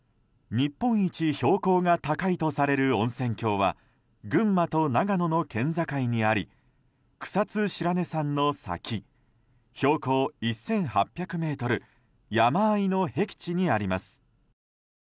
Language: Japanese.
日本一標高が高いとされる温泉郷は群馬と長野の県境にあり草津白根山の先、標高１８００ｍ山あいのへき地にあります。